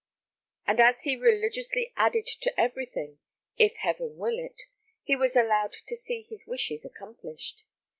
And as he religiously added to everything, "If Heaven will it," he was allowed to see his wishes accomplished.